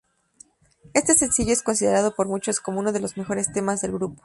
Este sencillo es considerado por muchos como uno de los mejores temas del grupo.